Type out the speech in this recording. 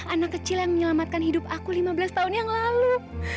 anak kecil yang menyelamatkan hidup aku lima belas tahun yang lalu